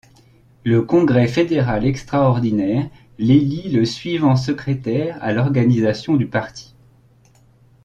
Le congrès fédéral extraordinaire l'élit le suivant secrétaire à l'Organisation du parti.